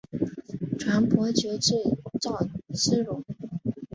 传伯爵至赵之龙。